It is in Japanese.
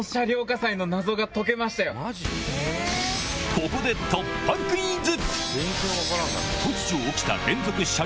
ここで突破クイズ！